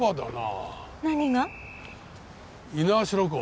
猪苗代湖。